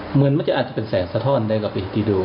เหมือนอาจจะเป็นแสงสะท่อนได้แค่ดู